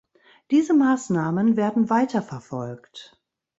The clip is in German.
Diese Maßnahmen werden weiterverfolgt.